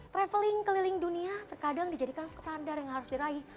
traveling keliling dunia terkadang dijadikan standar yang harus diraih